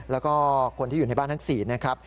แล้วก็คนที่อยู่ในบ้านทั้ง๔นะครับ